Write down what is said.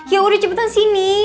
ya udah cepetan sini